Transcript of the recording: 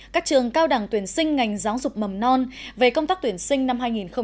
các trường cao đẳng tuyển sinh ngành giáo dục mầm non về công tác tuyển sinh năm hai nghìn hai mươi